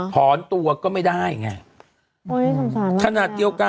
ผอนตัวก็ไม่ได้ไง